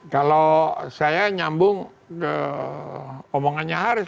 kalau saya nyambung ke omongannya haris